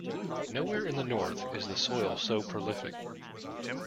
Nowhere in the North is the soil so prolific.